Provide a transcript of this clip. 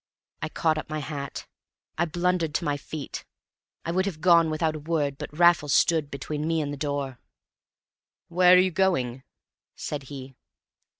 I caught up my hat. I blundered to my feet. I would have gone without a word; but Raffles stood between me and the door. "Where are you going?" said he.